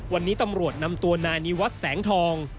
วันนี้ตำรวจนำตัวนายนิวัฒน์แสงทอง